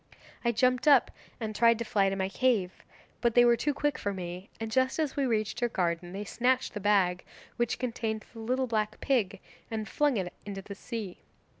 I jumped up and tried to fly to my cave, but they were too quick for me, and just as we reached your garden they snatched the bag which contained the little black pig and flung it into the sea.